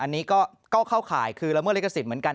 อันนี้ก็เข้าข่ายคือละเมิดลิขสิทธิ์เหมือนกัน